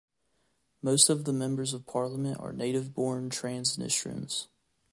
Most of the members of parliament are native-born Transnistrians.